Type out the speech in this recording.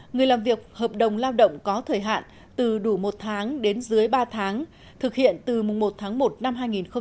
người làm việc hợp đồng lao động có thời hạn từ đủ một tháng đến dưới ba tháng thực hiện từ một tháng một năm hai nghìn hai mươi